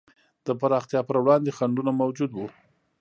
د پراختیا پر وړاندې خنډونه موجود وو.